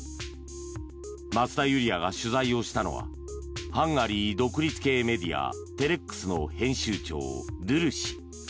増田ユリヤが取材したのはハンガリー独立系メディアテレックスの編集長ドゥル氏。